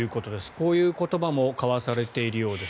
こういう言葉も交わされているようです。